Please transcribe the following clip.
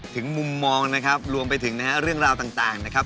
มุมมองนะครับรวมไปถึงนะฮะเรื่องราวต่างนะครับ